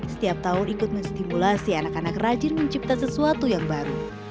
setiap tahun ikut menstimulasi anak anak rajin menciptakan sesuatu yang baru